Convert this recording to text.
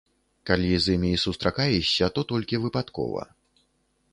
Калі з імі і сустракаешся, то толькі выпадкова.